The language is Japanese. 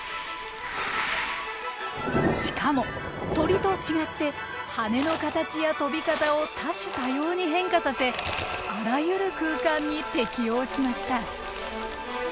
しかも鳥と違って羽の形や飛び方を多種多様に変化させあらゆる空間に適応しました。